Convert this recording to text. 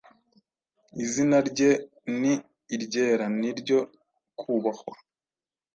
Izina rye ni iryera, n’iryo kubahwa.